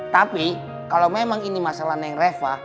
tapi kalo memang ini masalah neng reva